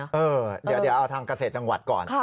เดี๋ยวเอาทางเกษตรจังหวัดก่อน